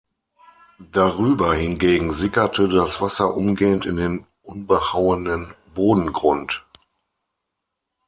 Darüber hingegen sickerte das Wasser umgehend in den unbehauenen Bodengrund.